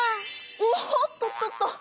おっとっとっと。